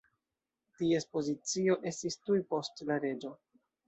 Ties pozicio estis tuj post la reĝo.